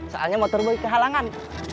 soalnya motor boy kehalangan